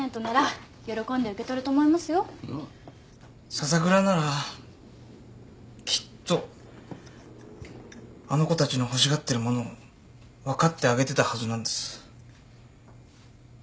笹倉ならきっとあの子たちの欲しがってる物分かってあげてたはずなんです。